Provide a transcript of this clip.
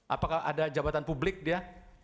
apakah ada jabatan publik dia